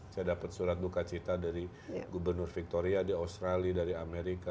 saya dapat surat duka cita dari gubernur victoria di australia dari amerika